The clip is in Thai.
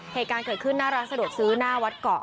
เหตุการณ์เกิดขึ้นน่ารักซะนะครับ